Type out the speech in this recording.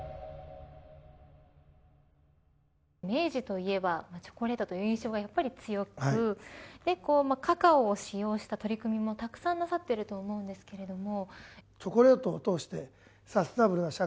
明治といえばチョコレートという印象がやっぱり強くカカオを使用した取り組みもたくさんなさっていると思うんですけれども。